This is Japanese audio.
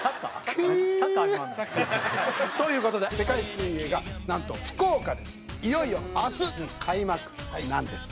クゥー！という事で世界水泳がなんと福岡でいよいよ明日開幕なんです。